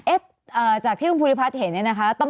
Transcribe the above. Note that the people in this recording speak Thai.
จากที่คุณภูริพัฒน์เห็นเนี่ยนะคะ